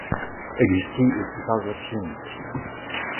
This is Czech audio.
Existují určitá zlepšení.